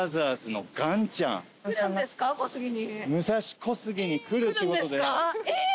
武蔵小杉に来るってことで。